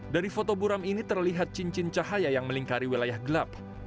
dari foto buram ini terlihat cincin cahaya yang melingkari wilayah gelap